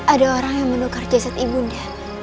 ada orang yang menukar jasad ibunya